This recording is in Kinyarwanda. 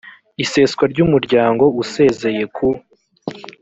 iseswa ry umuryango usezeye ku